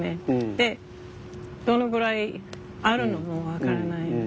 でどのぐらいあるのも分からないのね。